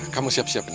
kamu siap siap na